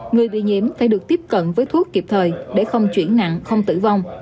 người bị nhiễm phải được tiếp cận với thuốc kịp thời để không chuyển nặng không tử vong